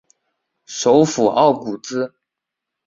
首府奥古兹。